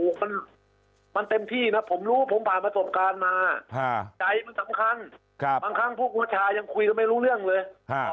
ผมรู้ผมผ่านประสบการณ์มาใจมันสำคัญบางครั้งผู้ประชายังคุยกับไม่รู้เรื่องเลย